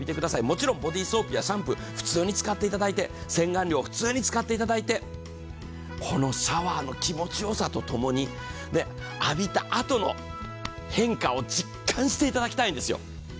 もちろんボディソープやシャンプーを普通に使っていただいて、洗顔料、普通に使っていただいて、このシャワーの気持よさとともに浴びたあとの変化を実感していただきたいんですよ。